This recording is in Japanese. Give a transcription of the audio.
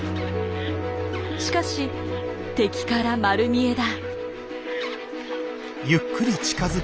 しかし敵から丸見えだ。